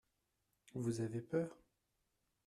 Vous avez peur ?